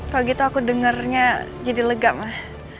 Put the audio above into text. kalau gitu aku dengarnya jadi lega mah